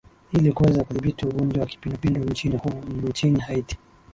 ili kuweza kudhibiti ugonjwa wa kipindupindu nchini hu nchini haiti